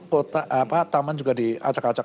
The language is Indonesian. kota apa taman juga diacak acak